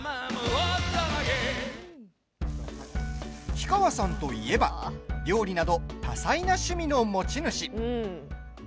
氷川さんといえば料理など多彩な趣味の持ち主。